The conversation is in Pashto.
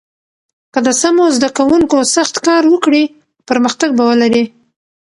که د سمو زده کوونکو سخت کار وکړي، پرمختګ به ولري.